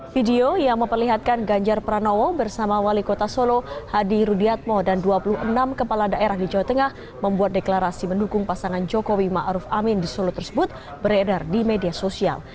video yang memperlihatkan ganjar pranowo bersama wali kota solo hadi rudiatmo dan dua puluh enam kepala daerah di jawa tengah membuat deklarasi mendukung pasangan jokowi ⁇ maruf ⁇ amin di solo tersebut beredar di media sosial